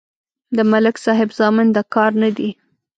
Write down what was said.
د ملک صاحب زامن د کار نه دي.